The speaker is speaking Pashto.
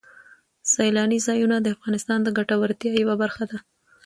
سیلاني ځایونه د افغانانو د ګټورتیا یوه برخه ده.